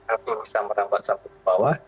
api bisa merampas sampah ke bawah